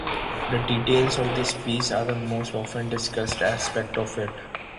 The details of this piece are the most often discussed aspect of it.